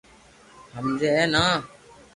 ھمجي ھي نا